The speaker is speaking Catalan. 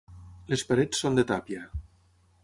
Les parets són de tàpia.